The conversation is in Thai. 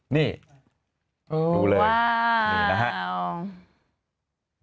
นี่ดูเลยนี่นะครับ